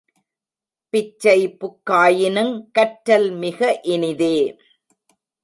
பிச்சை புக்காயினுங் கற்றல் மிக இனிதே